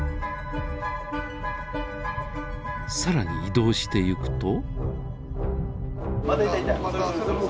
更に移動していくと。